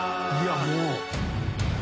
いやもう。